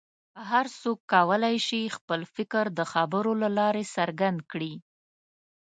هر څوک کولی شي چې خپل فکر د خبرو له لارې څرګند کړي.